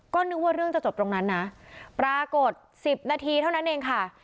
ก็นึกว่าเรื่องจะจบตรงนั้นนะปรากฏ๑๐นาทีเท่านั้นเองค่ะ